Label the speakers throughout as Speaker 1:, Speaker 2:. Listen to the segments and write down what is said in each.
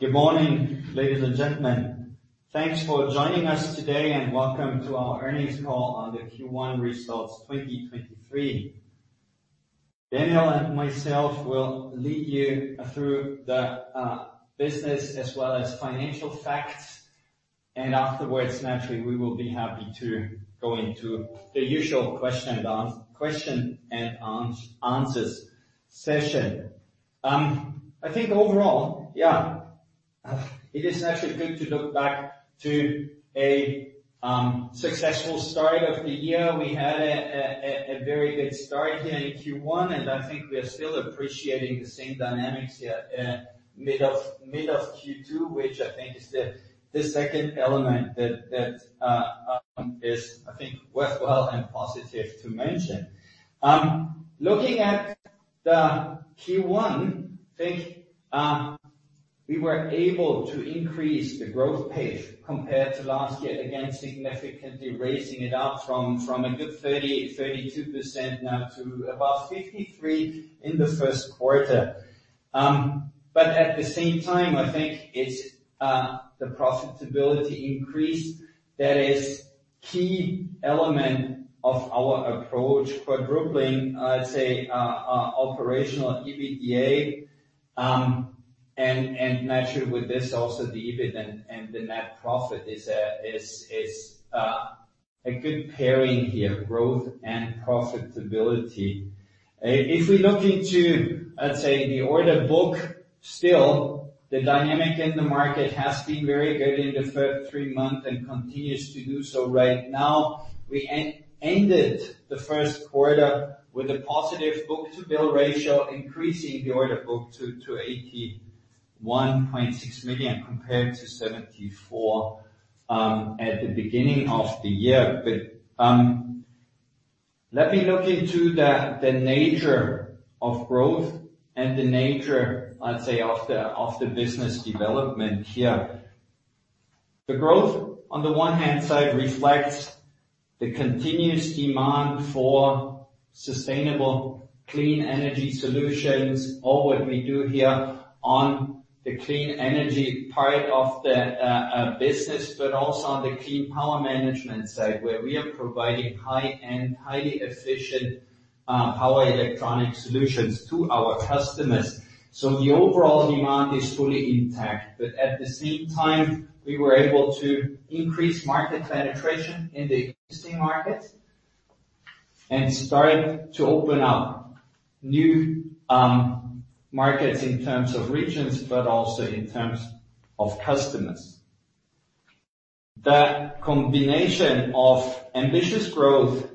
Speaker 1: Good morning, ladies and gentlemen. Thanks for joining us today, and welcome to our earnings call on the Q1 results 2023. Daniel and myself will lead you through the business as well as financial facts, and afterwards, naturally, we will be happy to go into the usual question and answers session. I think overall, yeah, it is actually good to look back to a successful start of the year. We had a very good start here in Q1, and I think we are still appreciating the same dynamics here at mid of Q2, which I think is the second element that is, I think, worthwhile and positive to mention. Looking at the Q1, I think, we were able to increase the growth pace compared to last year, again, significantly raising it up from a good 30%-32% now to about 53% in the first quarter. At the same time, I think it's the profitability increase that is key element of our approach. Quadrupling, let's say, operational EBITDA, and naturally with this also the EBIT and the net profit is a good pairing here, growth and profitability. If we look into, let's say, the order book, still the dynamic in the market has been very good in the first three months and continues to do so right now. We ended the first quarter with a positive book-to-bill ratio, increasing the order book to 81.6 million compared to 74 million at the beginning of the year. Let me look into the nature of growth and the nature, let's say, of the business development here. The growth, on the one hand side, reflects the continuous demand for sustainable clean energy solutions or what we do here on the clean energy part of the business. Also on the clean power management side, where we are providing high-end, highly efficient power electronic solutions to our customers. The overall demand is fully intact, but at the same time, we were able to increase market penetration in the existing markets and start to open up new markets in terms of regions, but also in terms of customers. The combination of ambitious growth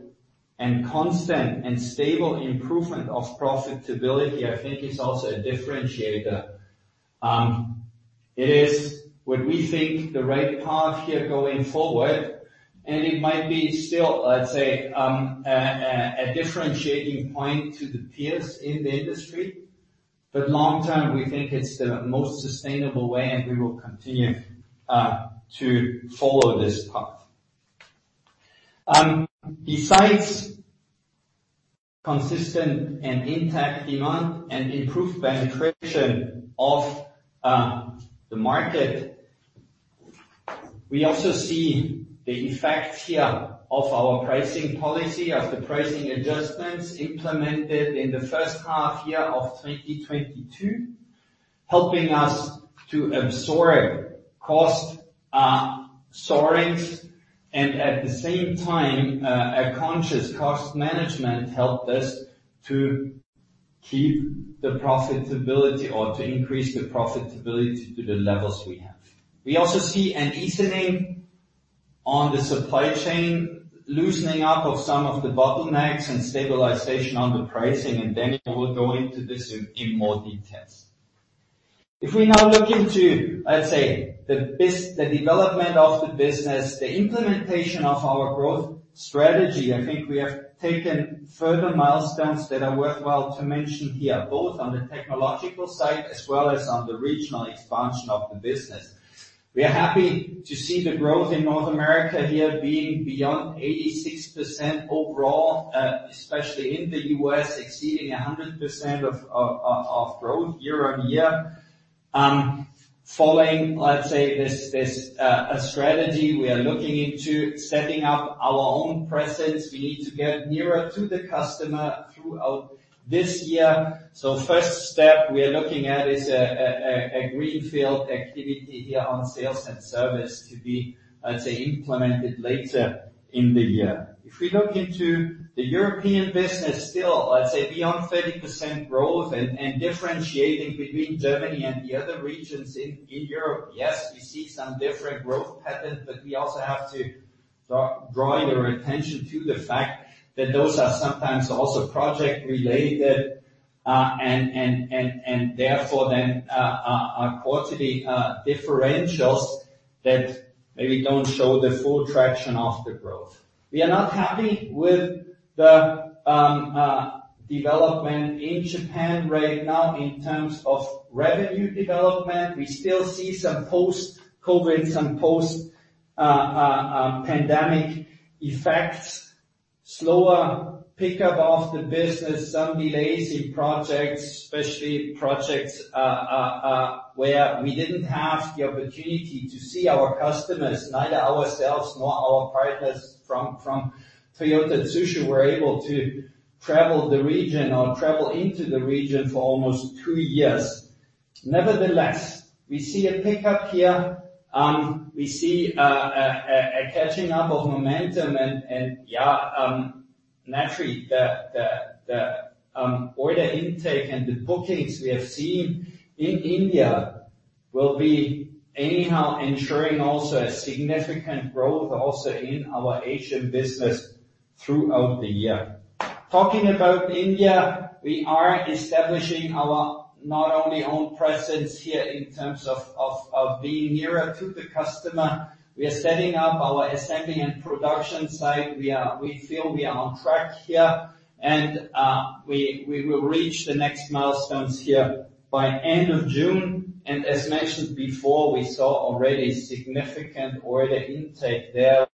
Speaker 1: and constant and stable improvement of profitability, I think is also a differentiator. It is what we think the right path here going forward, and it might be still, let's say, a differentiating point to the peers in the industry. Long term, we think it's the most sustainable way, and we will continue to follow this path. Besides consistent and intact demand and improved penetration of the market, we also see the effect here of our pricing policy, of the pricing adjustments implemented in the first half year of 2022, helping us to absorb cost surings. At the same time, a conscious cost management helped us to keep the profitability or to increase the profitability to the levels we have. We also see an easing on the supply chain, loosening up of some of the bottlenecks and stabilization on the pricing. Then we'll go into this in more details. If we now look into, let's say, the development of the business, the implementation of our growth strategy, I think we have taken further milestones that are worthwhile to mention here, both on the technological side as well as on the regional expansion of the business. We are happy to see the growth in North America here being beyond 86% overall, especially in the U.S., exceeding 100% of growth year-on-year. Following, let's say, this strategy we are looking into setting up our own presence. We need to get nearer to the customer throughout this year. First step we are looking at is a Greenfield activity here on sales and service to be, let's say, implemented later in the year. If we look into the European business still, let's say, beyond 30% growth and differentiating between Germany and the other regions in Europe. Yes, we see some different growth pattern, but we also have to draw your attention to the fact that those are sometimes also project related and therefore then are quantity differentials that maybe don't show the full traction of the growth. We are not happy with the development in Japan right now in terms of revenue development. We still see some post-COVID, some post-pandemic effects. Slower pickup of the business, some delays in projects, especially projects where we didn't have the opportunity to see our customers, neither ourselves nor our partners from Toyota Tsusho were able to travel the region or travel into the region for almost two years. We see a pickup here. We see a catching up of momentum and naturally, the order intake and the bookings we have seen in India will be anyhow ensuring also a significant growth also in our Asian business throughout the year. Talking about India, we are establishing our not only own presence here in terms of being nearer to the customer. We are setting up our assembly and production site. We feel we are on track here. We will reach the next milestones here by end of June. As mentioned before, we saw already significant order intake there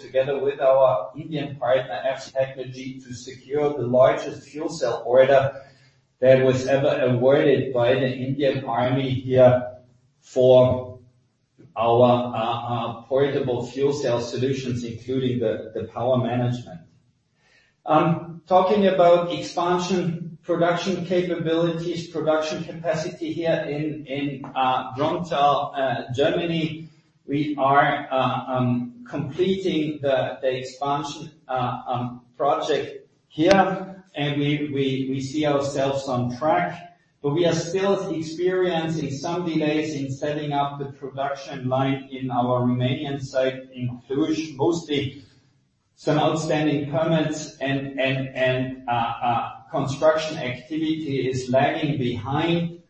Speaker 1: together with our Indian partner, FC TecNrgy, to secure the largest fuel cell order that was ever awarded by the Indian Army here for our portable fuel cell solutions, including the power management. Talking about expansion production capabilities, production capacity here in Brunnthal, Germany. We are completing the expansion project here. We see ourselves on track, we are still experiencing some delays in setting up the production line in our Romanian site in Cluj. Mostly some outstanding permits and construction activity is lagging behind.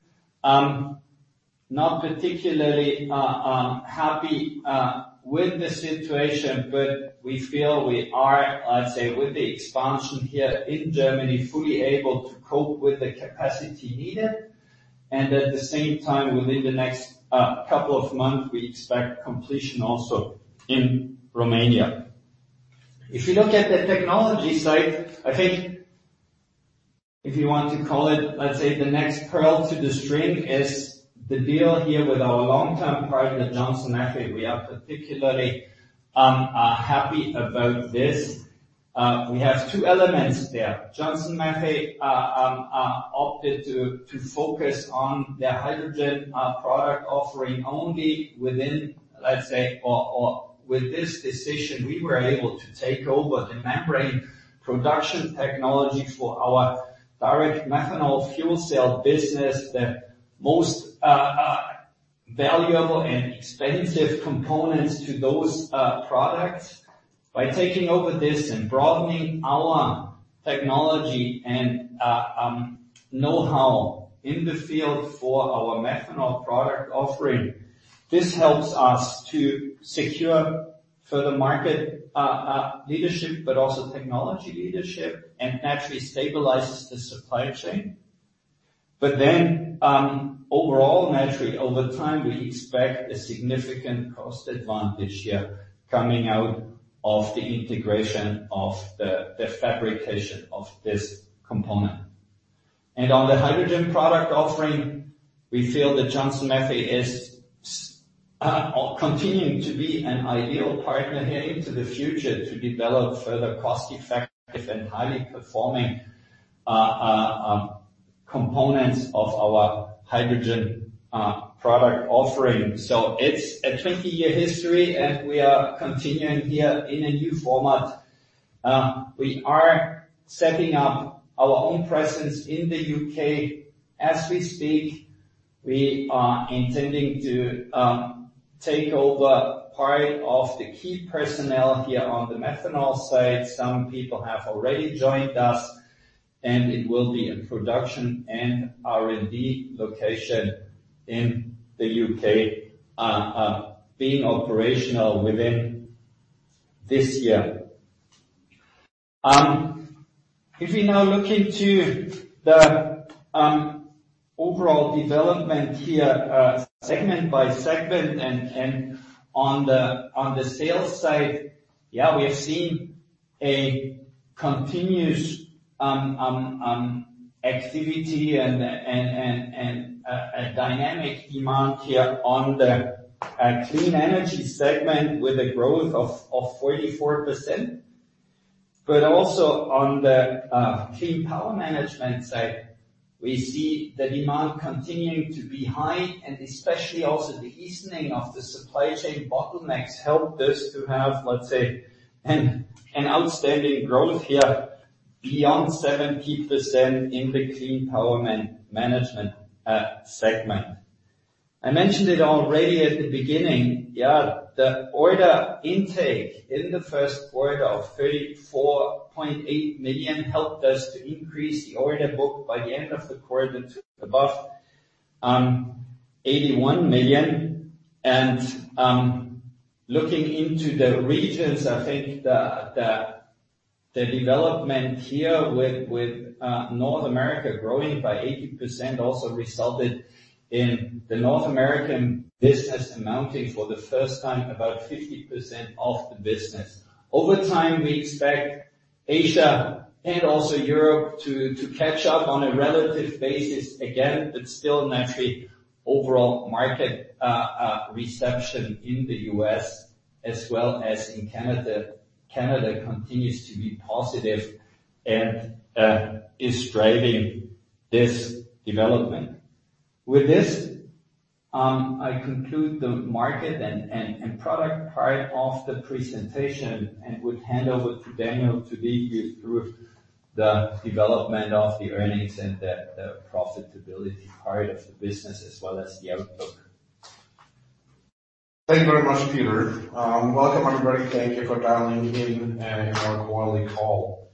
Speaker 1: Not particularly happy with the situation, but we feel we are, I'd say, with the expansion here in Germany, fully able to cope with the capacity needed and at the same time, within the next couple of months, we expect completion also in Romania. If you look at the technology side, I think if you want to call it, let's say the next pearl to the string is the deal here with our long-term partner, Johnson Matthey. We are particularly happy about this. We have two elements there. Johnson Matthey opted to focus on their hydrogen product offering only within, let's say or with this decision, we were able to take over the membrane production technology for our direct methanol fuel cell business, the most valuable and expensive components to those products. By taking over this and broadening our technology and knowhow in the field for our methanol product offering, this helps us to secure further market leadership, but also technology leadership and naturally stabilizes the supply chain. Overall, naturally, over time, we expect a significant cost advantage here coming out of the integration of the fabrication of this component. On the hydrogen product offering, we feel that Johnson Matthey is continuing to be an ideal partner here into the future to develop further cost-effective and highly performing components of our hydrogen product offering. It's a 20 year history, and we are continuing here in a new format. We are setting up our own presence in the U.K. as we speak. We are intending to take over part of the key personnel here on the methanol side. Some people have already joined us, and it will be a production and R&D location in the U.K., being operational within this year. If we now look into the overall development here, segment by segment and, on the sales side, yeah, we have seen a continuous activity and a dynamic demand here on the Clean Energy segment with a growth of 44%. Also on the Clean Power Management side, we see the demand continuing to be high, and especially also the easing of the supply chain bottlenecks helped us to have, let's say, an outstanding growth here beyond 70% in the clean power management segment. I mentioned it already at the beginning. Yeah, the order intake in the first quarter of 34.8 million helped us to increase the order book by the end of the quarter to above EUR 81 million. Looking into the regions, I think the development here with North America growing by 80% also resulted in the North American business amounting for the first time, about 50% of the business. Over time, we expect Asia and also Europe to catch up on a relative basis again, but still naturally overall market reception in the U.S. as well as in Canada continues to be positive and is driving this development. With this, I conclude the market and product part of the presentation and would hand over to Daniel to lead you through the development of the earnings and the profitability part of the business as well as the outlook.
Speaker 2: Thank you very much, Peter. Welcome, everybody. Thank you for dialing in our quarterly call.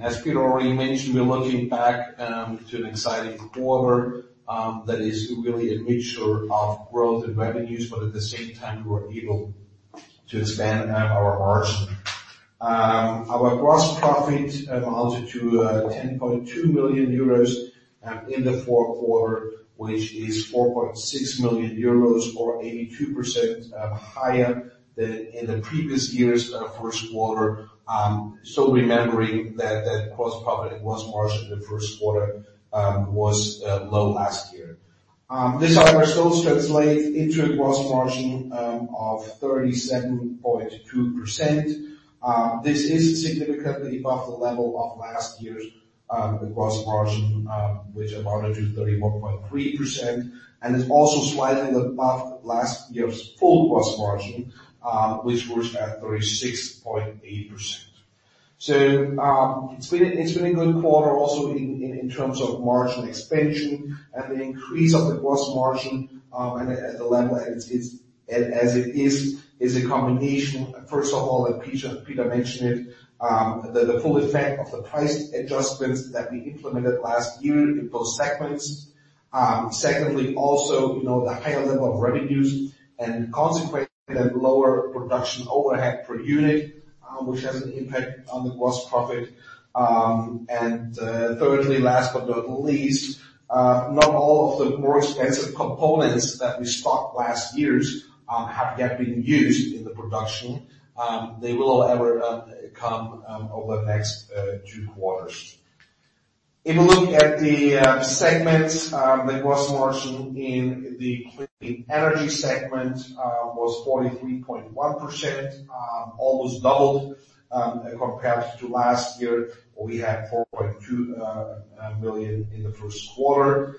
Speaker 2: As Peter already mentioned, we're looking back to an exciting quarter that is really a mixture of growth and revenues, but at the same time, we were able to expand our margin. Our gross profit amounted to 10.2 million euros in the fourth quarter, which is 4.6 million euros or 82% higher than in the previous year's first quarter. Remembering that gross profit was margin in the first quarter, was low last year. These results translate into a gross margin of 37.2%. This is significantly above the level of last year's gross margin, which amounted to 31.3%, and it's also slightly above last year's full gross margin, which was at 36.8%. It's been a good quarter also in terms of margin expansion and the increase of the gross margin, and at the level it is a combination. First of all, like Peter mentioned it, the full effect of the price adjustments that we implemented last year in both segments. Secondly, also, you know, the higher level of revenues and consequently, the lower production overhead per unit, which has an impact on the gross profit. Thirdly, last but not least, not all of the more expensive components that we stocked last year's have yet been used in the production. They will however, come over the next two quarters. If you look at the segments, the gross margin in the Clean Energy segment was 43.1%, almost doubled compared to last year, we had 4.2 million in the first quarter.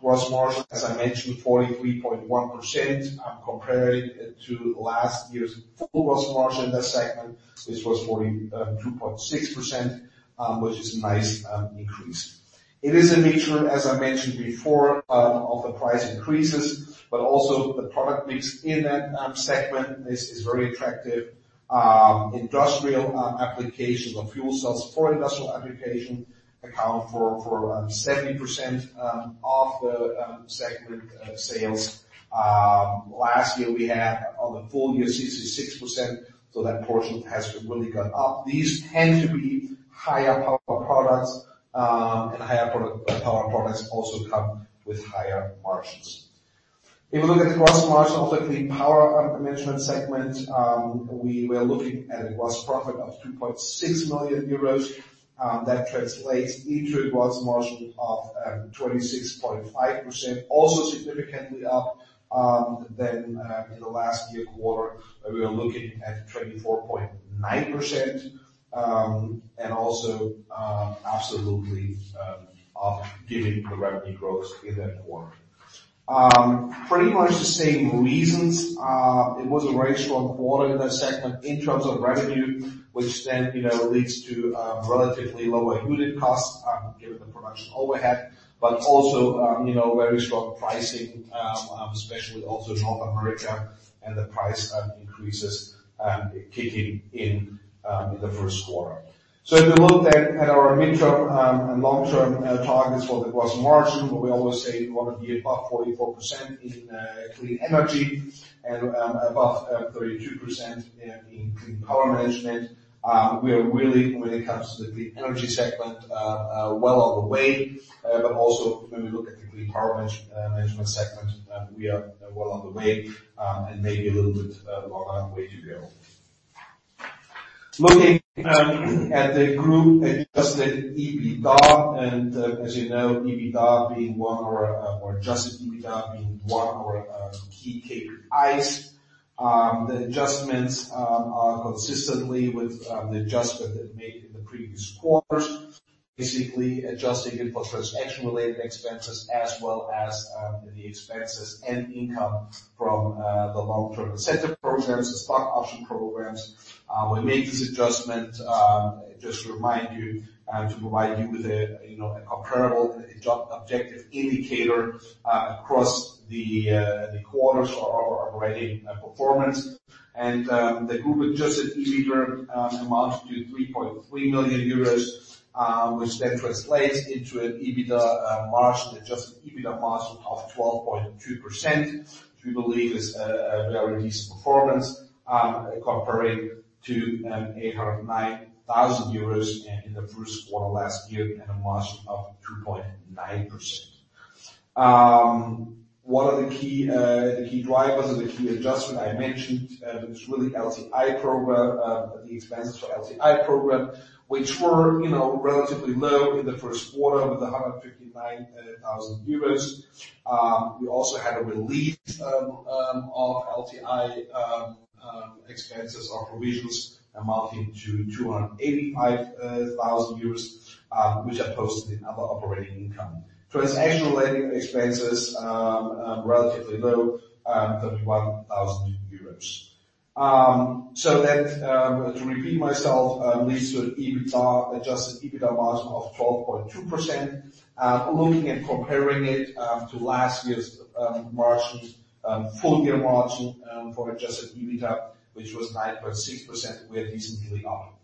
Speaker 2: Gross margin, as I mentioned, 43.1%, compared it to last year's full gross margin in that segment. This was 42.6%, which is a nice increase. It is a mixture, as I mentioned before, of the price increases, but also the product mix in that segment is very attractive. Industrial applications or fuel cells for industrial application account for 70% of the segment sales. Last year we had on the full year 66%, that portion has really gone up. These tend to be higher power products and higher product power products also come with higher margins. If you look at gross margin of the Clean Power Management segment, we were looking at a gross profit of 2.6 million euros, that translates into a gross margin of 26.5%, also significantly up than in the last year quarter, we were looking at 24.9%. Also, absolutely up giving the revenue growth in that quarter. Pretty much the same reasons. It was a very strong quarter in that segment in terms of revenue, which then, you know, leads to relatively lower unit costs, given the production overhead, but also, you know, very strong pricing, especially also North America and the price increases kicking in in the first quarter. If you look then at our midterm and long-term targets for the gross margin, we always say we want to be above 44% in Clean Energy and above 32% in Clean Power Management. We are really when it comes to the Clean Energy segment, well on the way. But also when we look at the Clean Power Management segment, we are well on the way and maybe a little bit longer way to go. Looking at the group-Adjusted EBITDA. As you know, EBITDA being one or Adjusted EBITDA being one of our key KPIs. The adjustments are consistently with the adjustment that we made in the previous quarters. Basically, adjusting it for transaction-related expenses as well as the expenses and income from the long-term incentive programs and stock option programs. We made this adjustment just to remind you, to provide you with a, you know, a comparable objective indicator across the quarters of our operating performance. The group-Adjusted EBITDA amounted to 3.3 million euros, which then translates into an Adjusted EBITDA margin of 12.2%, which we believe is a very decent performance comparing to 809,000 euros in the first quarter last year, and a margin of 2.9%. One of the key the key drivers or the key adjustment I mentioned was really LTI program, the expenses for LTI program, which were, you know, relatively low in the first quarter with 159,000 euros. We also had a relief of LTI expenses or provisions amounting to 285,000 euros, which are posted in other operating income. Transaction related expenses relatively low 31,000 euros. That, to repeat myself, leads to an EBITDA, Adjusted EBITDA margin of 12.2%. Looking at comparing it to last year's margins, full year margin for Adjusted EBITDA, which was 9.6%, we are decently up.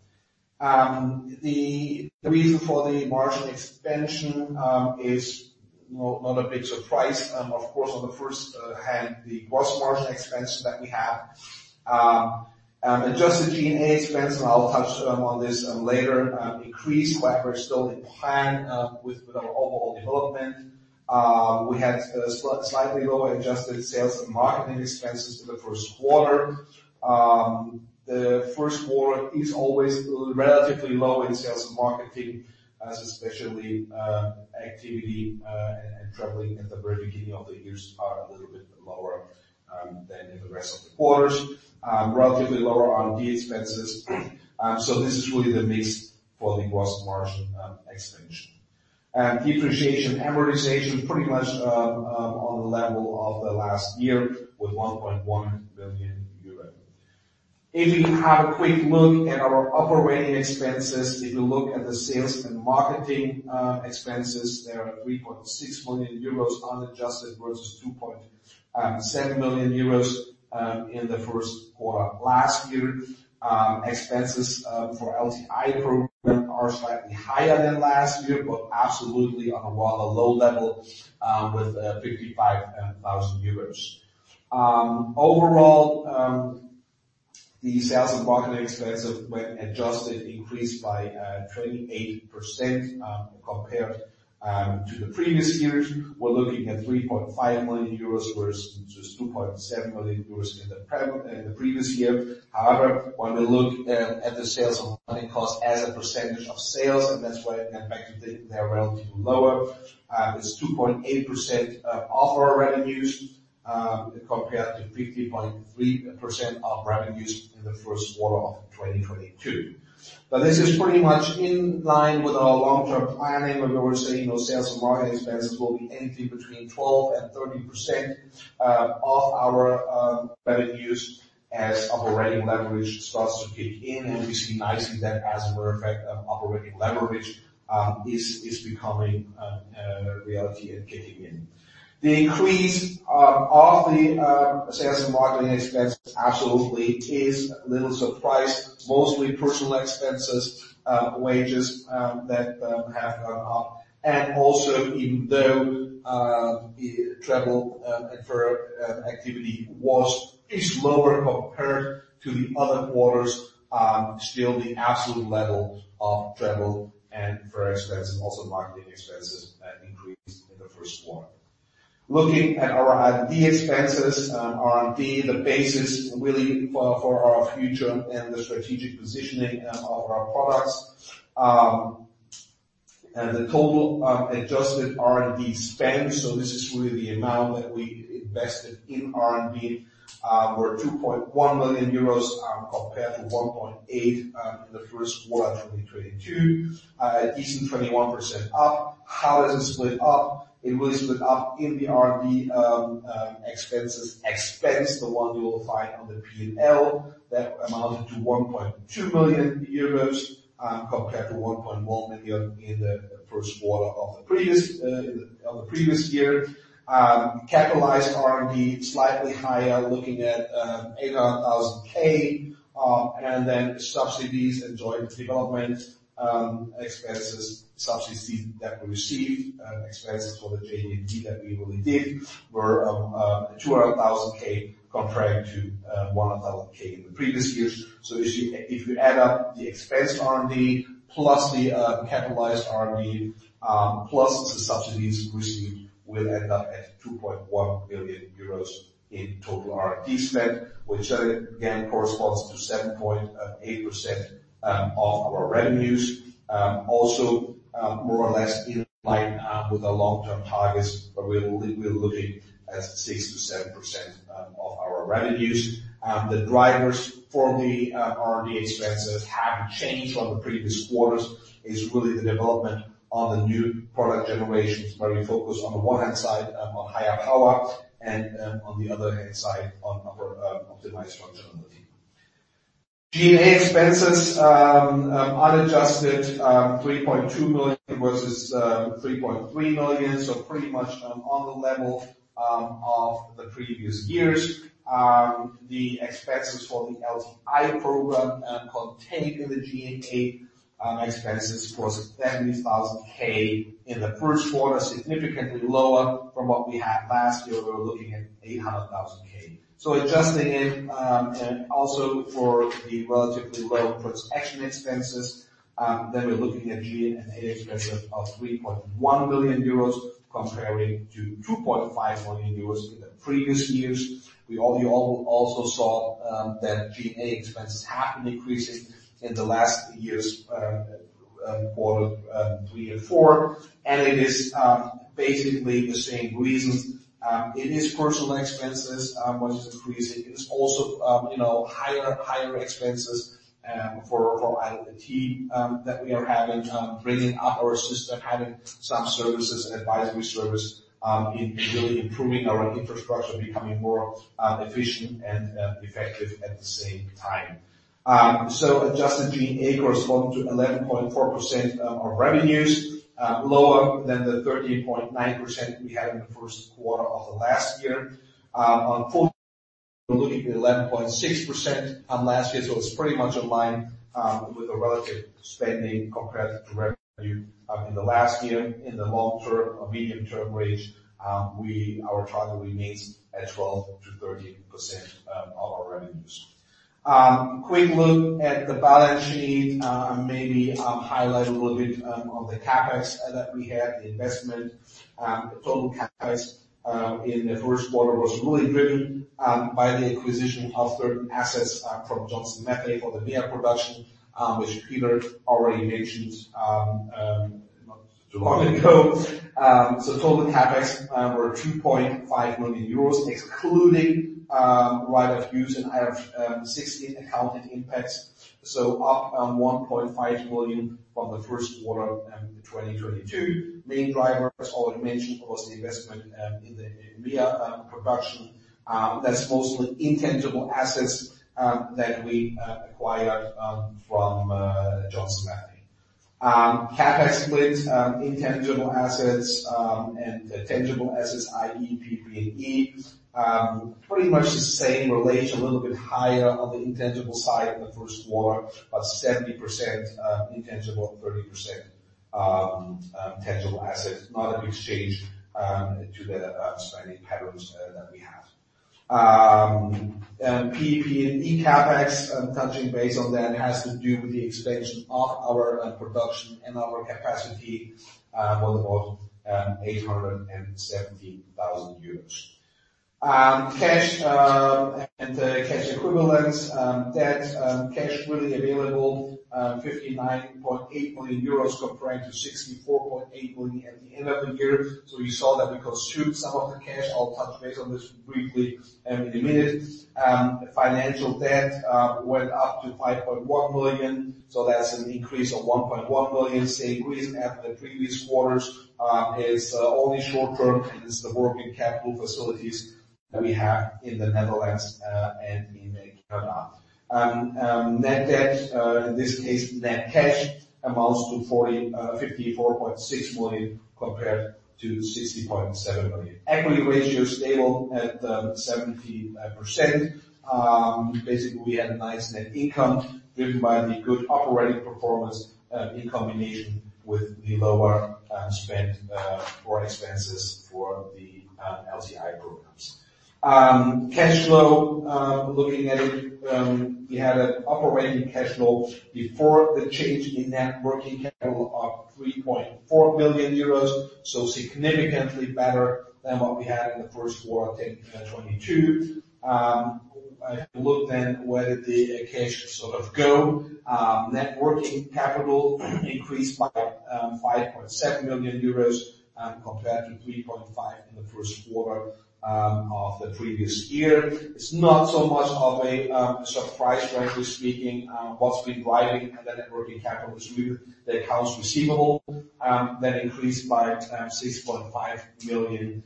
Speaker 2: The reason for the margin expansion is not a big surprise. Of course, on the first hand, the gross margin expansion that we have. Adjusted G&A expense, and I'll touch on this later, increased. However, it's still in plan with our overall development. We had slightly lower adjusted sales and marketing expenses for the first quarter. The first quarter is always relatively low in sales and marketing as especially activity and traveling at the very beginning of the years are a little bit lower than in the rest of the quarters. Relatively lower R&D expenses. So this is really the mix for the gross margin expansion. Depreciation, amortization, pretty much on the level of the last year with 1.1 billion euros. If you have a quick look at our operating expenses, if you look at the sales and marketing expenses, they are 3.6 million euros unadjusted versus 2.7 million euros in the first quarter of last year. Expenses for LTI program are slightly higher than last year, but absolutely on a rather low level with 55,000 euros. Overall, the sales and marketing expenses when adjusted increased by 28% compared to the previous years. We're looking at 3.5 million euros versus 2.7 million euros in the previous year. However, when we look at the sales and marketing costs as a percentage of sales, and that's why I went back to it, they're relatively lower. It's 2.8% of our revenues compared to 50.3% of revenues in the first quarter of 2022. This is pretty much in line with our long-term planning, where we're saying our sales and marketing expenses will be anything between 12% and 13% of our revenues as operating leverage starts to kick in. We see nicely that as a matter of fact of operating leverage, is becoming a reality and kicking in. The increase of the sales and marketing expense absolutely is little surprise. Mostly personal expenses, wages that have gone up. Also even though travel and fair activity was lower compared to the other quarters, still the absolute level of travel and fair expense, also marketing expenses, increased in the first quarter. Looking at our R&D expenses. R&D, the basis really for our future and the strategic positioning of our products. The total adjusted R&D spend, so this is really the amount that we invested in R&D, were 2.1 million euros compared to 1.8 million in the first quarter 2022. A decent 21% up. How does it split up? It really split up in the R&D expenses. Expense, the one you will find on the P&L, that amounted to 1.2 million euros, compared to 1.1 million in the first quarter of the previous year. Capitalized R&D, slightly higher, looking at 800,000. Subsidies and joint development expenses, subsidies that we received, expenses for the joint development that we really did were 200,000 comparing to 100,000 in the previous years. If you add up the expense R&D plus the capitalized R&D, plus the subsidies received, we will end up at 2.1 million euros in total R&D spend, which again corresponds to 7.8% of our revenues. Also, more or less in line with the long-term targets, we are looking at 6%-7% of our revenues. The drivers for the R&D expenses have not changed from the previous quarters. It is really the development on the new product generations, where we focus on the one hand side on higher power and on the other hand side on optimized functionality. G&A expenses, unadjusted, 3.2 million versus 3.3 million. Pretty much on the level of the previous years. The expenses for the LTI program contained in the G&A expenses was 70,000 in the first quarter, significantly lower from what we had last year. We were looking at 800,000. Adjusting it and also for the relatively low transaction expenses, we're looking at G&A expenses of 3.1 million euros comparing to 2.5 million euros in the previous years. We also saw that G&A expenses have been increasing in the last years, quarter three and four, it is basically the same reasons. It is personal expenses which is increasing. It is also, you know, higher expenses for IT that we are having, bringing up our system, having some services and advisory service in really improving our infrastructure, becoming more efficient and effective at the same time. Adjusted EBITDA correspond to 11.4% of revenues, lower than the 13.9% we had in the first quarter of the last year. On full, we're looking at 11.6% on last year's. It's pretty much in line with the relative spending compared to revenue in the last year. In the long term or medium-term range, our target remains at 12%-13% of our revenues. Quick look at the balance sheet, maybe highlight a little bit on the CapEx that we had, the investment. The total CapEx in the first quarter was really driven by the acquisition of certain assets from Johnson Matthey for the MEA production, which Peter already mentioned not too long ago. Total CapEx were 2.5 million euros, excluding right of use and IFRS 16 accounting impacts, so up 1.5 million from the first quarter in 2022. Main drivers already mentioned, of course, the investment in the MEA production. That's mostly intangible assets that we acquired from Johnson Matthey. CapEx split, intangible assets and tangible assets, i.e., PP&E. Pretty much the same relation, a little bit higher on the intangible side in the first quarter, but 70% intangible, 30% tangible assets. Not a big change to the spending patterns that we have. PP&E CapEx, I'm touching base on that, has to do with the expansion of our production and our capacity, of 870,000 euros. Cash and cash equivalents, debt, cash really available, 59.8 million euros comparing to 64.8 million at the end of the year. You saw that we consumed some of the cash. I'll touch base on this briefly, in a minute. Financial debt, went up to 5.1 million, so that's an increase of 1.1 million. Same reason as the previous quarters. It's only short-term, and it's the working capital facilities that we have in the Netherlands and in Canada. Net debt, in this case, net cash amounts to 54.6 million compared to 60.7 million. Equity ratio stable at 75%. Basically, we had a nice net income driven by the good operating performance in combination with the lower spend for expenses for the LTI programs. Cash flow, looking at it, we had an operating cash flow before the change in net working capital of 3.4 million euros, so significantly better than what we had in the first quarter in 2022. If you look where did the cash sort of go. Net working capital increased by 5.7 million euros compared to 3.5 million in the first quarter of the previous year. It's not so much of a surprise, frankly speaking. What's been driving the net working capital is really the accounts receivable that increased by 6.5 million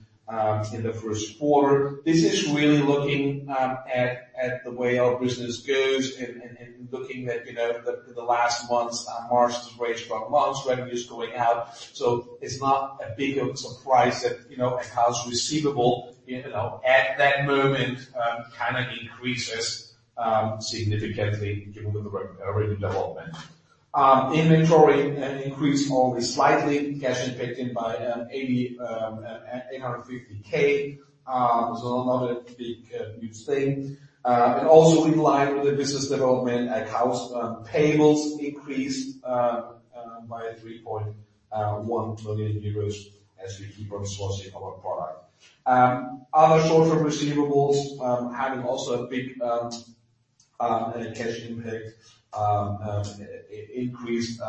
Speaker 2: in the first quarter. This is really looking at the way our business goes and looking at, you know, the last months. March is very strong months, revenues going out, so it's not a big of a surprise that, you know, accounts receivable, you know, at that moment, kinda increases significantly given the really development. Inventory increased only slightly. Cash impacted by 850K, so not a big, huge thing. Also in line with the business development, accounts payables increased by 3.1 million euros as we keep on sourcing our product. Other short-term receivables, having also a big cash impact, increased by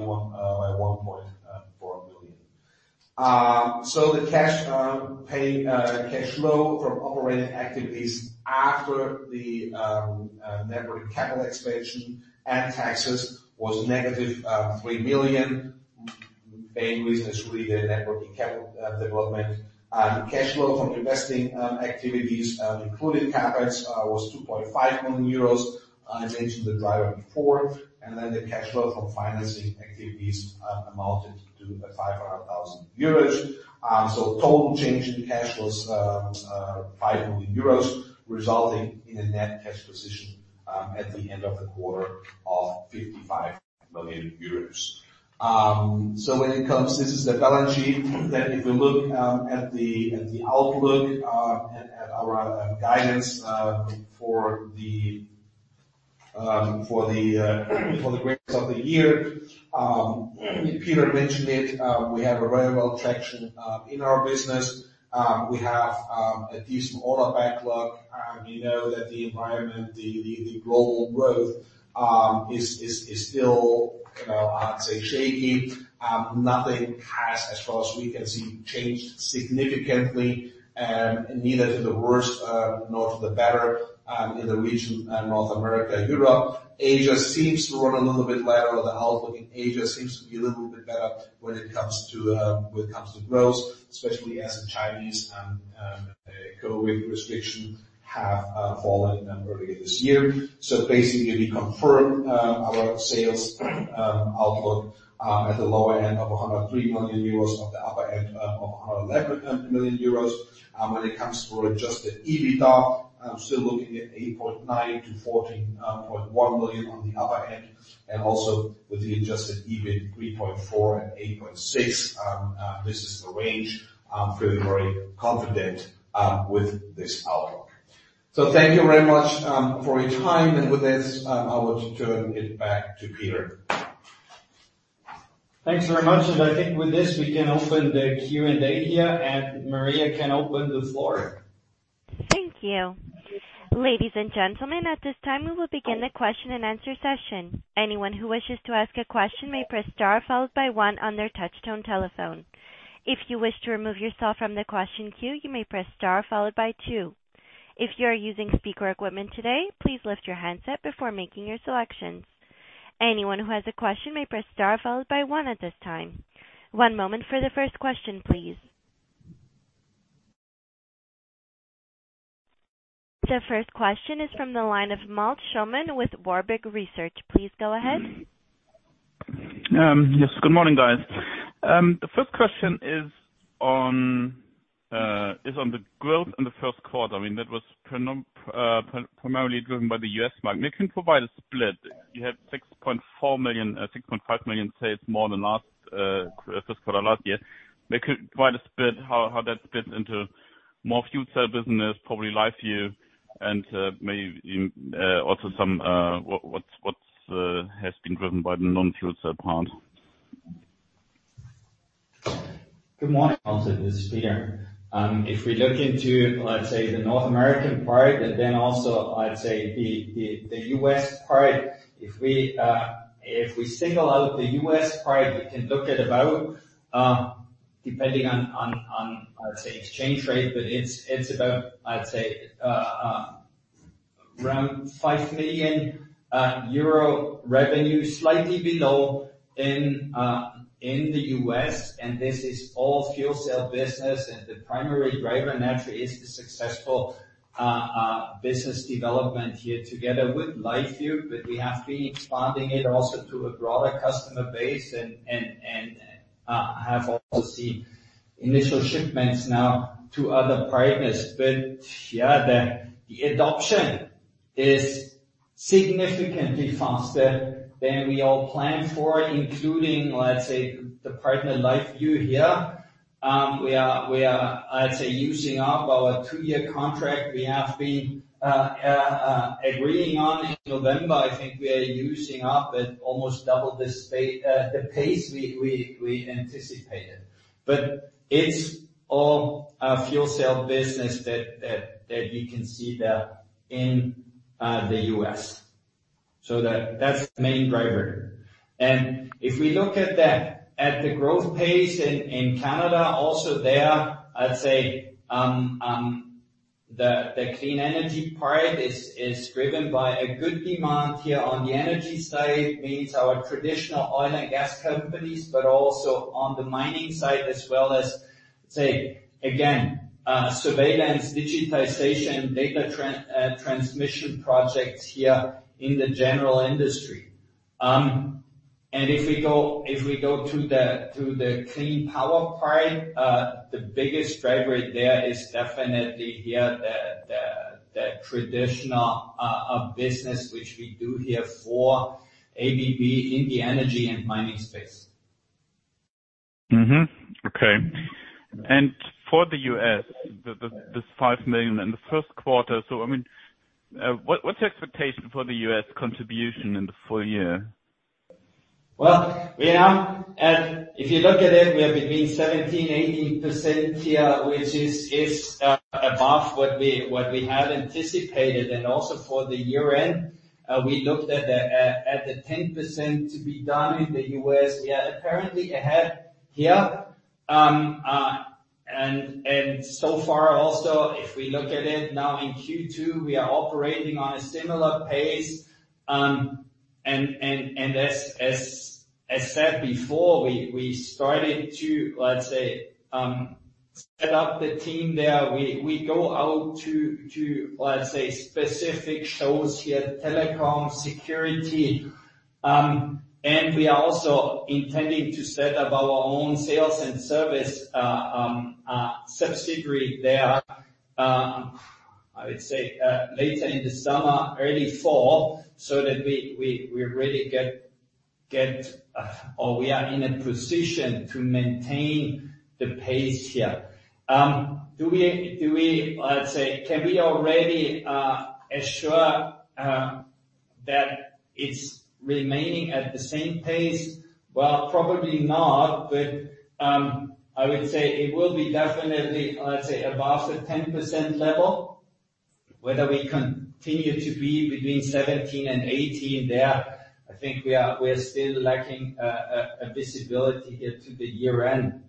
Speaker 2: 1.4 million. The cash flow from operating activities after the net working capital expansion and taxes was negative 3 million. Main reason is really the net working capital development. Cash flow from investing activities, including CapEx, was 2.5 million euros. I mentioned the driver before. The cash flow from financing activities amounted to 500,000 euros. Total change in cash was 5 million euros, resulting in a net cash position at the end of the quarter of 55 million euros. This is the balance sheet that if we look at the outlook, at our guidance for the grades of the year. Peter mentioned it, we have a very well traction in our business. We have a decent order backlog. We know that the environment, the global growth, is still, you know, I'd say shaky. Nothing has, as far as we can see, changed significantly, neither to the worst, nor to the better, in the region, North America, Europe. Asia seems to run a little bit lighter on the outlook, Asia seems to be a little bit better when it comes to growth, especially as the Chinese COVID restriction have fallen earlier this year. Basically, we confirm our sales outlook at the lower end of 103 million euros, at the upper end of 111 million euros. When it comes to Adjusted EBITDA, still looking at 8.9 million-14.1 million on the upper end, and also with the Adjusted EBIT, 3.4 million-8.6 million, this is the range. I'm feeling very confident with this outlook. Thank you very much for your time. With this, I would turn it back to Peter.
Speaker 1: Thanks very much. I think with this, we can open the Q&A here, and Maria can open the floor.
Speaker 3: Thank you. Ladies and gentlemen, at this time, we will begin the question-and-answer session. Anyone who wishes to ask a question may press star followed by one on their touch tone telephone. If you wish to remove yourself from the question queue, you may press star followed by two. If you are using speaker equipment today, please lift your handset before making your selections. Anyone who has a question may press star followed by one at this time. One moment for the first question, please. The first question is from the line of Malte Schaumann with Warburg Research. Please go ahead.
Speaker 4: Yes. Good morning, guys. The first question is on the growth in the first quarter. I mean, that was primarily driven by the US Market. Can you provide a split? You had 6.4 million, 6.5 million sales more than last first quarter last year. Maybe you could provide a split how that split into more fuel cell business, probably EFOY, and maybe also some what has been driven by the non-fuel cell part.
Speaker 1: Good morning, Malte. This is Peter. If we look into, let's say, the North American part, and then also I'd say the U.S. part. If we single out the U.S. part, we can look at about, depending on, on, let's say, exchange rate, but it's about, I'd say, around 5 million euro revenue, slightly below in the U.S. This is all fuel cell business. The primary driver naturally is the successful business development here together with LiveView. We have been expanding it also to a broader customer base and have also seen initial shipments now to other partners. Yeah, the adoption is significantly faster than we all planned for, including, let's say, the partner LiveView here. We are, I'd say, using up our two year contract we have been agreeing on in November. I think we are using up at almost double the pace we anticipated. But it's all fuel cell business that you can see there in the U.S. That's the main driver. If we look at the growth pace in Canada also there, I'd say, the Clean Energy part is driven by a good demand here on the energy side. Means our traditional oil and gas companies, but also on the mining side, as well as, let's say, again, surveillance, digitization, data transmission projects here in the general industry. If we go to the Clean Power part, the biggest driver there is definitely here the traditional business, which we do here for ABB in the energy and mining space.
Speaker 4: Okay. For the US, the 5 million in the first quarter. I mean, what's your expectation for the U.S. contribution in the full year?
Speaker 1: Well, if you look at it, we are between 17%-18% here, which is above what we had anticipated. Also for the year-end, we looked at the 10% to be done in the US. We are currently ahead here. So far also, if we look at it now in Q2, we are operating on a similar pace. As said before, we started to, let's say, set up the team there. We go out to, let's say, specific shows here, telecom, security. We are also intending to set up our own sales and service subsidiary there, I would say, later in the summer, early fall, so that we really get or we are in a position to maintain the pace here. Do we can we already assure That it's remaining at the same pace? Probably not, I would say it will be definitely above the 10% level. Whether we continue to be between 17 and 18 there, I think we are still lacking a visibility here to the year-end.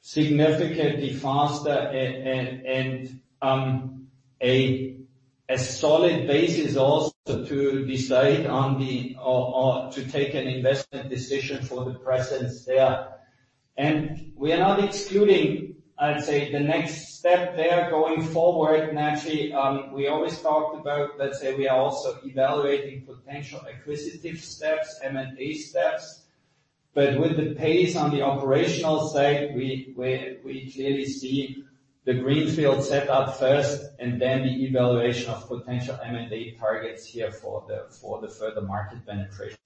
Speaker 1: Significantly faster and a solid basis also to decide on the or to take an investment decision for the presence there. We are not excluding, I'd say, the next step there going forward. Actually, we always talked about, let's say, we are also evaluating potential acquisitive steps, M&A steps. With the pace on the operational side, we clearly see the Greenfield set up first, and then the evaluation of potential M&A targets here for the further market penetration.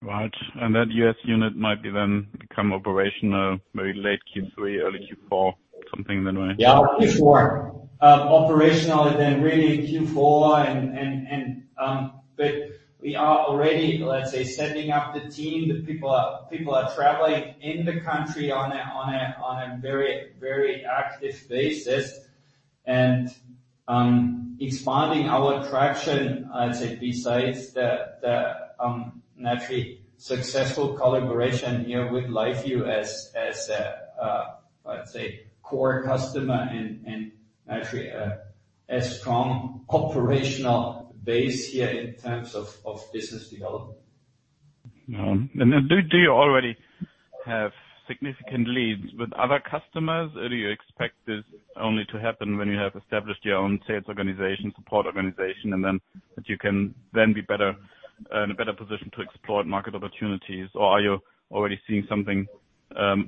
Speaker 4: Right. That U.S. unit might be then become operational very late Q3, early Q4, something in that way?
Speaker 1: Q4. Operationally then really Q4 and we are already, let's say, setting up the team. The people are traveling in the country on a very, very active basis. Expanding our traction, I'd say, besides the naturally successful collaboration here with LiveView as a let's say, core customer and naturally a strong operational base here in terms of business development.
Speaker 4: No. Do you already have significant leads with other customers? Do you expect this only to happen when you have established your own sales organization, support organization, and then that you can then be better, in a better position to explore market opportunities? Are you already seeing something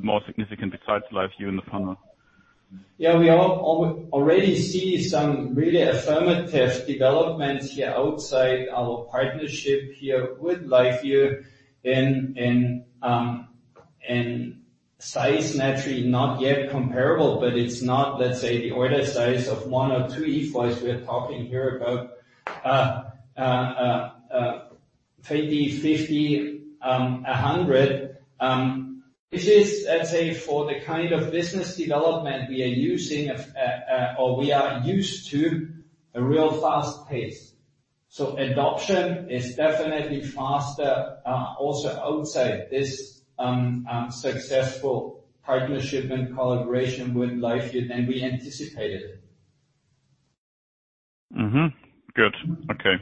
Speaker 4: more significant besides LiveView in the funnel?
Speaker 1: Yeah. We already see some really affirmative developments here outside our partnership here with LiveView. In size, naturally not yet comparable, but it's not, let's say, the order size of one or two EFOYs we're talking here about, 20, 50, 100. This is, let's say, for the kind of business development we are using, or we are used to, a real fast pace. Adoption is definitely faster, also outside this successful partnership and collaboration with LiveView than we anticipated.
Speaker 4: Good. Okay.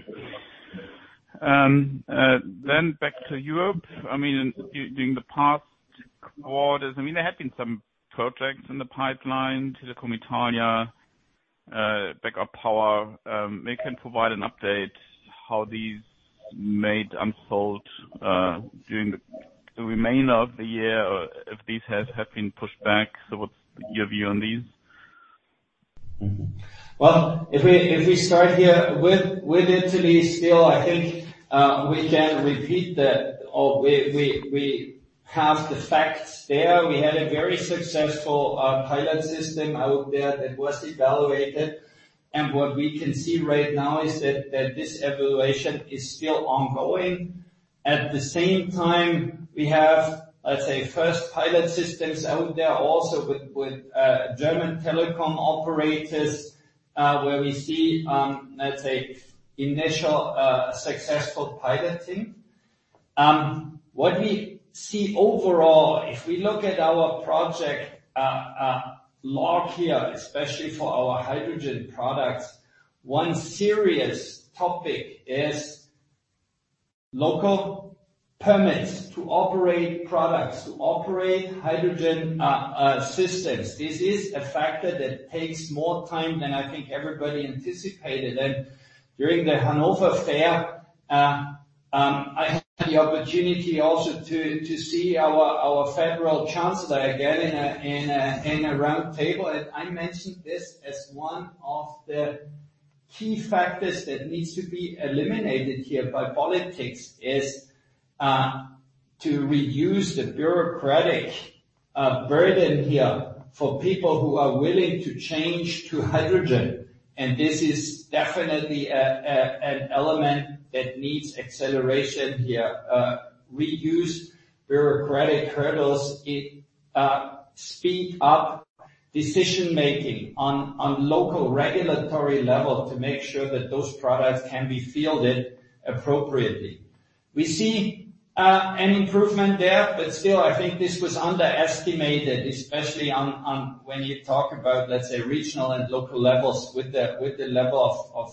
Speaker 4: Back to Europe. I mean, during the past quarters, I mean, there have been some projects in the pipeline, Telecom Italia, backup power. Maybe you can provide an update how these made unsold, during the remainder of the year or if these have been pushed back. What's your view on these?
Speaker 1: Well, if we start here with Italy still, I think we can repeat that or we have the facts there. We had a very successful pilot system out there that was evaluated, what we can see right now is that this evaluation is still ongoing. At the same time, we have, let's say, first pilot systems out there also with German telecom operators, where we see, let's say, initial successful piloting. What we see overall, if we look at our project log here, especially for our hydrogen products, one serious topic is local permits to operate products, to operate hydrogen systems. This is a factor that takes more time than I think everybody anticipated. During the Hanover Fair, I had the opportunity also to see our Federal Chancellor again in a round table, and I mentioned this as one of the key factors that needs to be eliminated here by politics, is to reduce the bureaucratic burden here for people who are willing to change to hydrogen. This is definitely an element that needs acceleration here. Reduce bureaucratic hurdles, speed up decision-making on local regulatory level to make sure that those products can be fielded appropriately. We see an improvement there, but still, I think this was underestimated, especially on when you talk about, let's say, regional and local levels with the level of,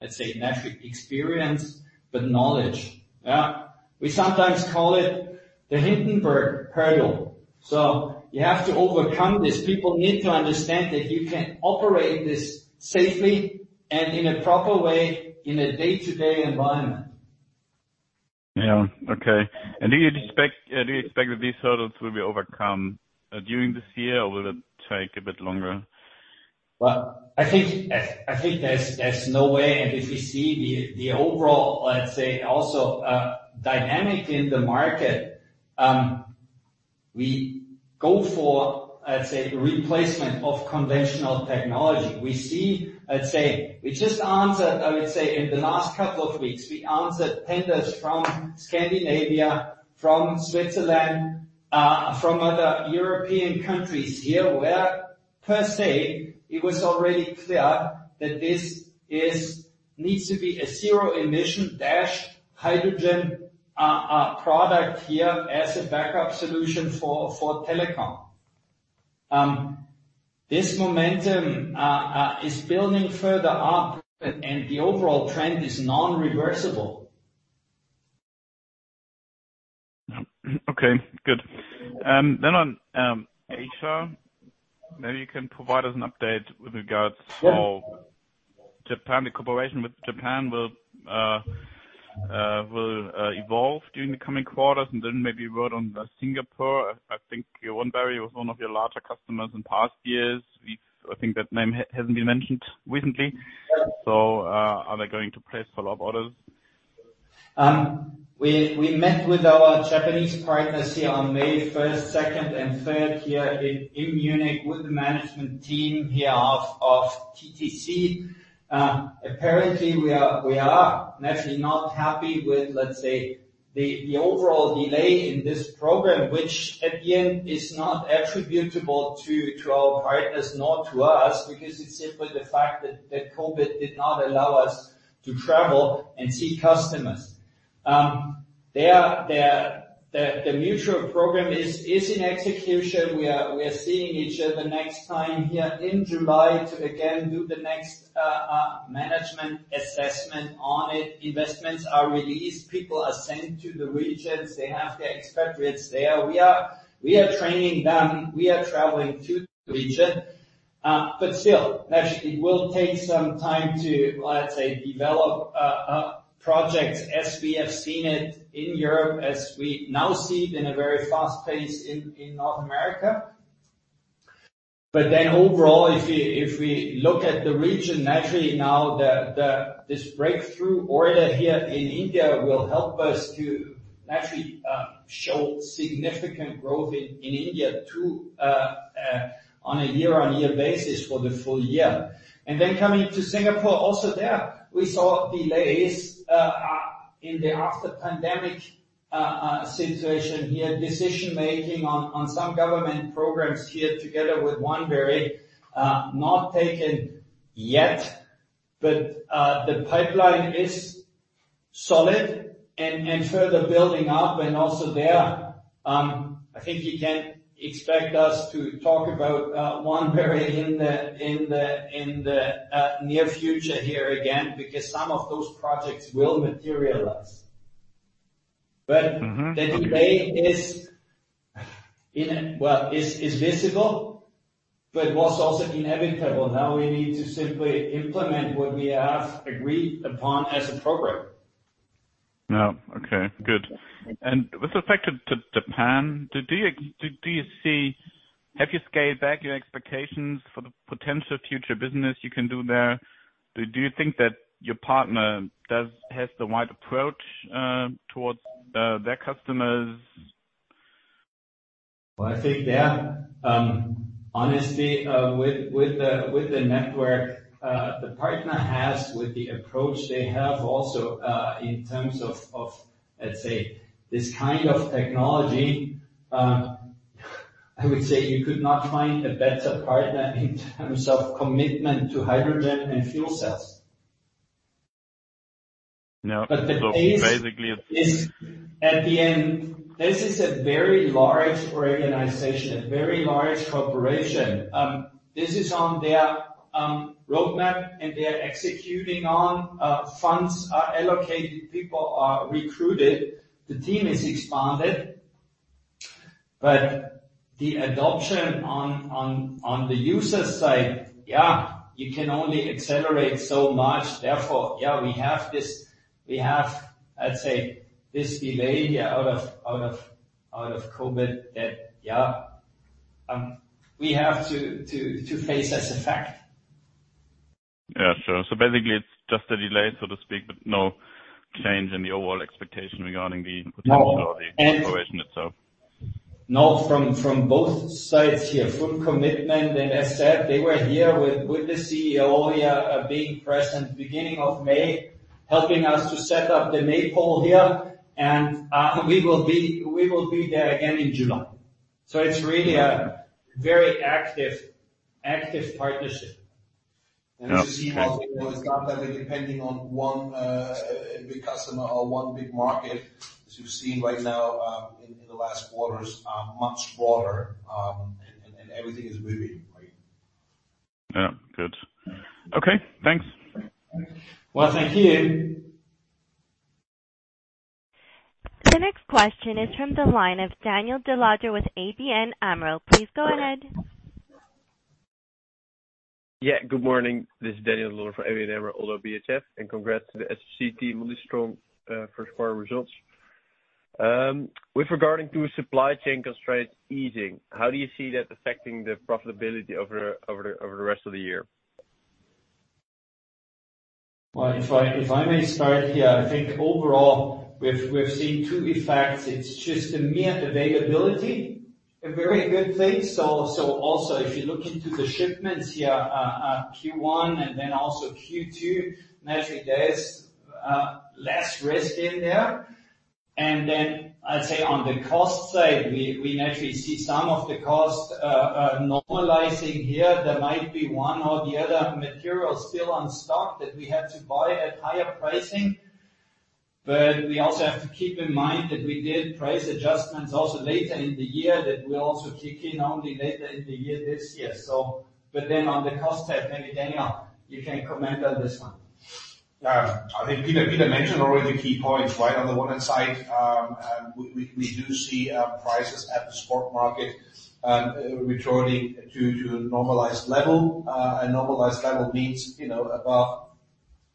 Speaker 1: let's say, naturally experience but knowledge. Yeah. We sometimes call it the Hindenburg Omen. You have to overcome this. People need to understand that you can operate this safely and in a proper way in a day-to-day environment.
Speaker 4: Yeah. Okay. Do you expect that these hurdles will be overcome during this year, or will it take a bit longer?
Speaker 1: Well, I think there's no way. If you see the overall dynamic in the market, we go for replacement of conventional technology. We see, we just answered in the last couple of weeks, we answered tenders from Scandinavia, from Switzerland, from other European countries here, where per se, it was already clear that this needs to be a zero-emission hydrogen product here as a backup solution for telecom. This momentum is building further up. The overall trend is non-reversible.
Speaker 4: Okay, good. On Asia, maybe you can provide us an update with regards.
Speaker 1: Yeah.
Speaker 4: Japan. The cooperation with Japan will evolve during the coming quarters. Maybe a word on Singapore. I think Oneberry was one of your larger customers in past years. I think that name hasn't been mentioned recently.
Speaker 1: Yeah.
Speaker 4: Are they going to place follow-up orders?
Speaker 1: We met with our Japanese partners here on May 1st, 2nd, and 3rd here in Munich with the management team of TTC. Apparently we are naturally not happy with, let's say, the overall delay in this program, which at the end is not attributable to our partners nor to us, because it's simply the fact that COVID did not allow us to travel and see customers. The mutual program is in execution. We are seeing each other next time here in July to again do the next management assessment on it. Investments are released. People are sent to the regions. They have their expatriates there. We are training them. We are traveling to the region. Still, naturally, it will take some time to, let's say, develop projects as we have seen it in Europe, as we now see it in a very fast pace in North America. Overall, if we look at the region naturally now, this breakthrough order here in India will help us to naturally show significant growth in India too on a year-on-year basis for the full year. Coming to Singapore also there, we saw delays in the after pandemic situation here. Decision-making on some government programs here together with Oneberry not taken yet, but the pipeline is solid and further building up. Also there, I think you can expect us to talk about Oneberry in the near future here again, because some of those projects will materialize.
Speaker 4: Mm-hmm. Okay.
Speaker 1: The delay well, is visible, but was also inevitable. Now we need to simply implement what we have agreed upon as a program.
Speaker 4: Yeah, okay, good. With respect to Japan, have you scaled back your expectations for the potential future business you can do there? Do you think that your partner has the right approach towards their customers?
Speaker 1: I think, yeah. Honestly, with the network the partner has with the approach they have also, in terms of, let's say, this kind of technology, I would say you could not find a better partner in terms of commitment to hydrogen and fuel cells.
Speaker 4: No.
Speaker 1: The pace is at the end. This is a very large organization, a very large corporation. This is on their roadmap, and they're executing on. Funds are allocated, people are recruited, the team is expanded. The adoption on the user side, you can only accelerate so much. Therefore, we have, let's say, this delay here out of COVID that we have to face as a fact.
Speaker 4: Yeah, sure. Basically it's just a delay, so to speak, but no change in the overall expectation regarding the potential of the cooperation itself.
Speaker 1: No. From both sides here. Full commitment. As said, they were here with the CEO here, being present beginning of May, helping us to set up the maypole here. We will be there again in July. It's really a very active partnership.
Speaker 4: Yeah. Okay.
Speaker 1: As you see, it's not that we're depending on one big customer or one big market, as you've seen right now, in the last quarters, much broader, and everything is moving, right.
Speaker 4: Yeah. Good. Okay, thanks.
Speaker 1: Well, thank you.
Speaker 3: The next question is from the line of Daniel De Lodder with ABN AMRO. Please go ahead.
Speaker 5: Good morning. This is Daniel De Lodder from ABN AMRO, ODDO BHF. Congrats to the SFC team. Really strong first quarter results. With regarding to supply chain constraints easing, how do you see that affecting the profitability over the rest of the year?
Speaker 1: Well, if I, if I may start here, I think overall, we've seen two effects. It's just the mere availability, a very good thing. Also, if you look into the shipments here, Q1 and then also Q2, naturally, there's less risk in there. I'd say on the cost side, we naturally see some of the costs normalizing here. There might be one or the other materials still on stock that we had to buy at higher pricing. We also have to keep in mind that we did price adjustments also later in the year that will also kick in only later in the year this year. On the cost side, maybe Daniel, you can comment on this one.
Speaker 2: Yeah. I think Peter mentioned already the key points, right? On the one hand side, we do see prices at the spot market returning to a normalized level. A normalized level means, you know, above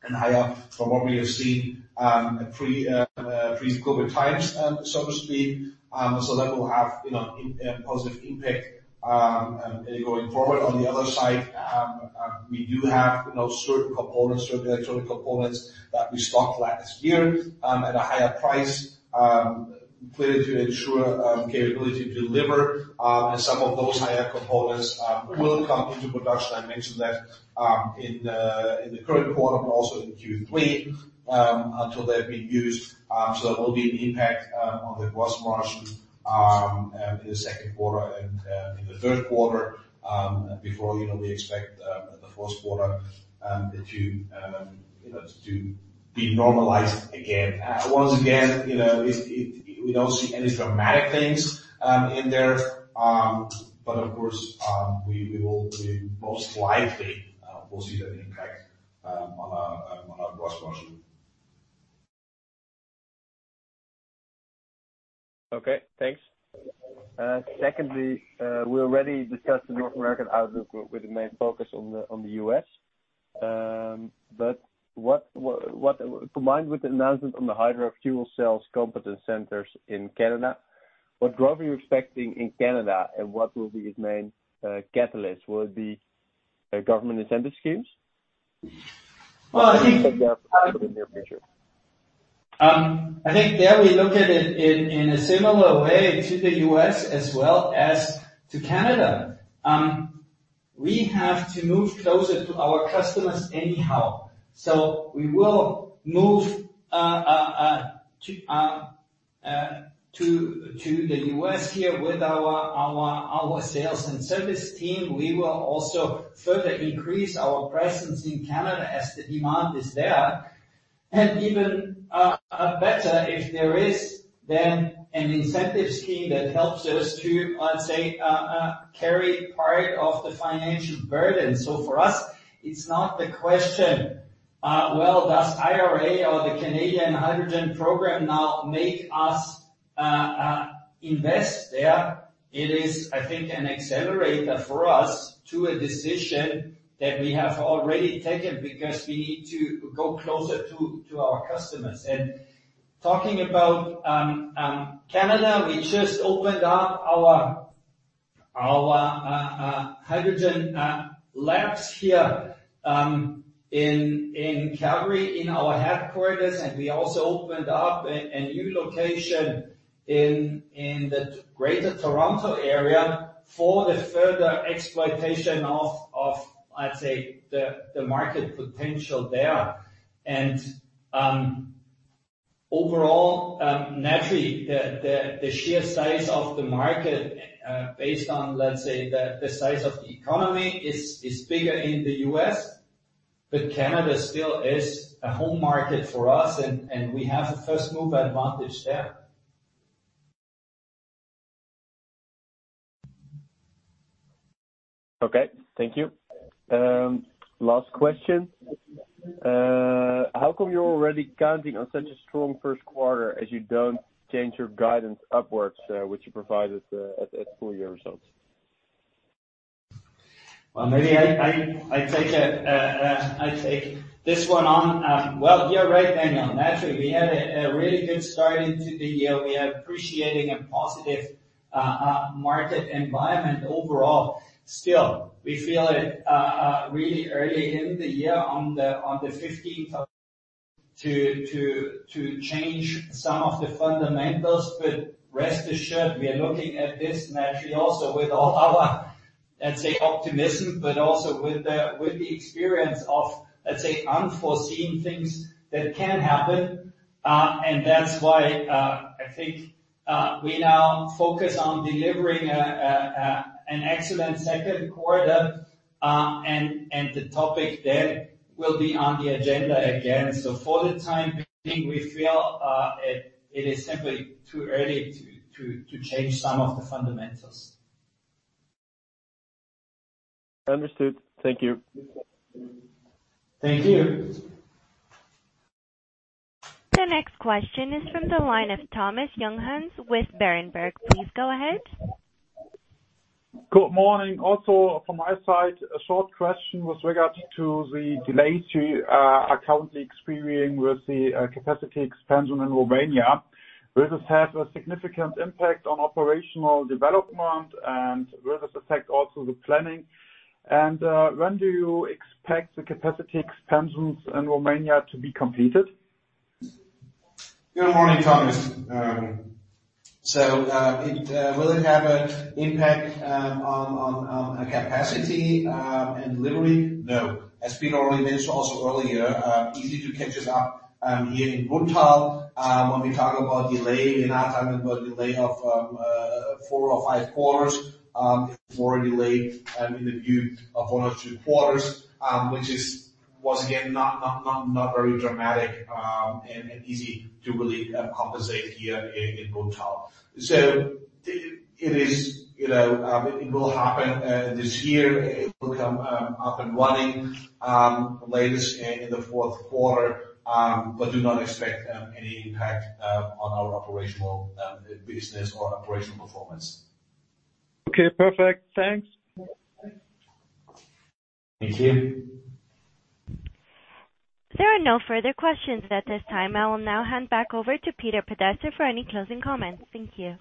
Speaker 2: and higher from what we have seen pre-COVID times, so to speak. That will have, you know, a positive impact going forward. On the other side, we do have, you know, certain components, certain electronic components that we stocked last year at a higher price, clearly to ensure capability to deliver. Some of those higher components will come into production. I mentioned that in the current quarter, but also in Q3 until they've been used. There will be an impact on the gross margin in the second quarter and in the third quarter before, you know, we expect the fourth quarter to, you know, to be normalized again. Once again, you know, we don't see any dramatic things in there. Of course, we most likely will see that impact on our gross margin.
Speaker 5: Okay, thanks. Secondly, we already discussed the North American outlook with the main focus on the, on the US. What Combined with the announcement on the hydrogen fuel cells competence centers in Canada, what growth are you expecting in Canada, and what will be its main catalyst? Will it be government incentive schemes?
Speaker 1: Well, I.
Speaker 5: In the near future.
Speaker 1: I think there we look at it in a similar way to the U.S. as well as to Canada. We have to move closer to our customers anyhow. We will move to the U.S. here with our sales and service team. We will also further increase our presence in Canada as the demand is there. Even better if there is then an incentive scheme that helps us to, let's say, carry part of the financial burden. For us, it's not the question, well, does IRA or the Canadian Hydrogen Program now make us invest there? It is, I think, an accelerator for us to a decision that we have already taken because we need to go closer to our customers. Talking about Canada, we just opened up our hydrogen labs here in Calgary in our headquarters, and we also opened up a new location in the Greater Toronto area for the further exploitation of I'd say the market potential there. Overall, naturally, the sheer size of the market, based on, let's say, the size of the economy is bigger in the U.S., but Canada still is a home market for us, and we have a first-mover advantage there.
Speaker 5: Okay. Thank you. Last question. How come you're already counting on such a strong first quarter as you don't change your guidance upwards, which you provided at full year results?
Speaker 1: Well, maybe I take this one on. Well, you're right, Daniel. Naturally, we had a really good start into the year. We are appreciating a positive market environment overall. Still, we feel it really early in the year on the 15th of... to change some of the fundamentals, but rest assured, we are looking at this naturally also with all our, let's say, optimism, but also with the experience of, let's say, unforeseen things that can happen. That's why I think we now focus on delivering an excellent second quarter, and the topic then will be on the agenda again. For the time being, we feel it is simply too early to change some of the fundamentals.
Speaker 5: Understood. Thank you.
Speaker 1: Thank you.
Speaker 3: The next question is from the line of Thomas Junghanns with Berenberg. Please go ahead.
Speaker 6: Good morning. Also from my side, a short question with regards to the delays you are currently experiencing with the capacity expansion in Romania. Will this have a significant impact on operational development, and will this affect also the planning? When do you expect the capacity expansions in Romania to be completed?
Speaker 2: Good morning, Thomas. Will it have a impact on capacity and delivery? No. As Peter already mentioned also earlier, easy to catch us up here in Brunnthal. When we talk about delay, we're not talking about delay of four or five quarters, it's more a delay in the view of one or two quarters, which is once again, not, not very dramatic, and easy to really compensate here in Brunnthal. It, it is, you know, it will happen this year. It will come up and running latest in the fourth quarter, but do not expect any impact on our operational business or operational performance.
Speaker 6: Okay. Perfect. Thanks.
Speaker 2: Thank you.
Speaker 3: There are no further questions at this time. I will now hand back over to Peter Podesser for any closing comments. Thank you.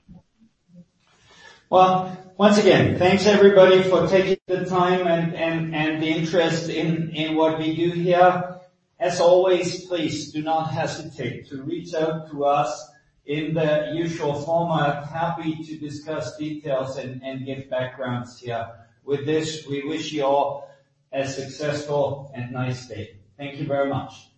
Speaker 1: Well, once again, thanks everybody for taking the time and the interest in what we do here. As always, please do not hesitate to reach out to us in the usual format. Happy to discuss details and give backgrounds here. With this, we wish you all a successful and nice day. Thank you very much.